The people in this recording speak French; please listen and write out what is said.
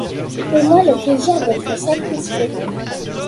Fais-moi le plaisir d’être satisfait.